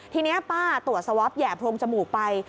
ทีนี้ป้าตรวจแย่พรงจมูกไป